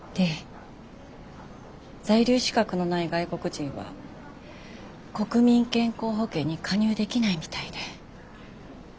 在留資格のない外国人は国民健康保険に加入できないみたいで。